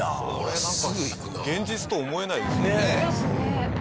現実と思えないですね。ですね。